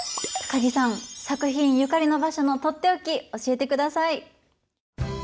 高木さん作品ゆかりの場所の取って置き教えてください！